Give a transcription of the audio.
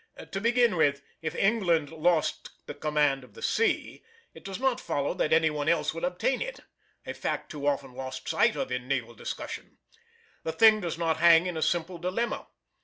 To begin with, if England lost the command of the sea, it does not follow that any one else would obtain it, a fact too often lost sight of in naval discussion. The thing does not hang in a simple dilemma.